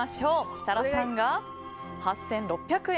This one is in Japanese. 設楽さんが８６００円。